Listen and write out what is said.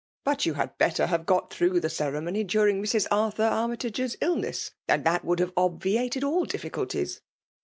But you had better have got through the ceremony during Mrs. Arthur Armytage*s illness, and that would have obviated all difficulties.